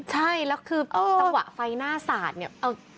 ใช่แล้วคือจังหวะไฟหน้าสาดเนี่ย